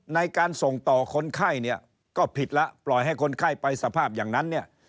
ในการส่งต่อคนไข้เนี่ยก็ผิดแล้วปล่อยให้คนไข้ไปสภาพอย่างนั้นเนี่ย